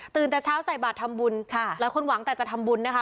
แต่เช้าใส่บาททำบุญค่ะหลายคนหวังแต่จะทำบุญนะคะ